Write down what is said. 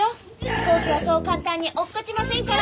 飛行機はそう簡単に落っこちませんから。